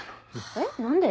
えっ何で？